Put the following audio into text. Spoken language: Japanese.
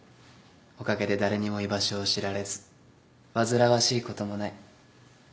おかげで誰にも居場所を知られず煩わしいこともない。